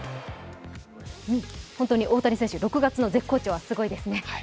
本当に大谷選手６月の絶好調、すごいですね。